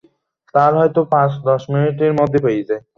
ঠিক আছে, বলতে হবে না।